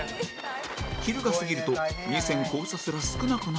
昼が過ぎると２線交差すら少なくなってきた